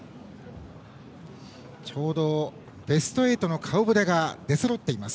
ちょうどベスト８の顔ぶれが出そろっています。